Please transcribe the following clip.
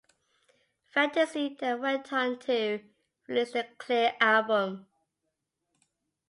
Fantasy then went on to release the Clear album.